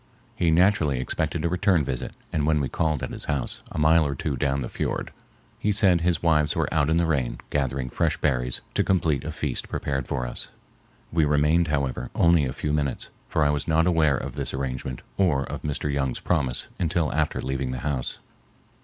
He naturally expected a return visit, and when we called at his house, a mile or two down the fiord, he said his wives were out in the rain gathering fresh berries to complete a feast prepared for us. We remained, however, only a few minutes, for I was not aware of this arrangement or of Mr. Young's promise until after leaving the house.